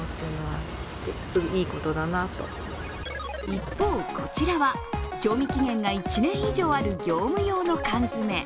一方こちらは、賞味期限が１年以上ある業務用の缶詰。